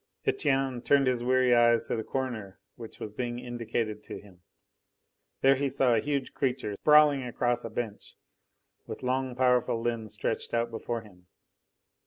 Etienne turned his weary eyes to the corner which was being indicated to him. There he saw a huge creature sprawling across a bench, with long, powerful limbs stretched out before him.